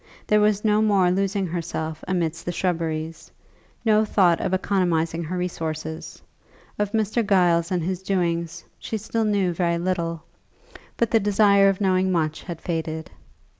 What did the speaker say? There was no more losing herself amidst the shrubberies, no thought of economizing her resources. Of Mr. Giles and his doings she still knew very little, but the desire of knowing much had faded.